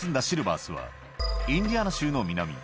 シルバースはインディアナ州の南